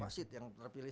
wasit yang terpilih